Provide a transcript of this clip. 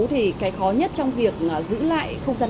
thì cái khó nhất trong việc giữ lại không gian